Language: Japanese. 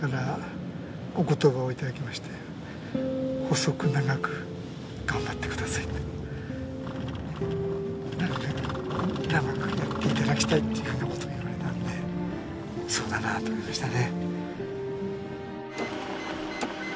「細く長く頑張ってください」って「長くやっていただきたい」っていうふうなことを言われたのでそうだなと思いましたね。